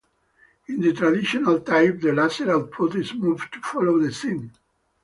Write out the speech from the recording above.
In the traditional type, the laser output is moved to follow the seam.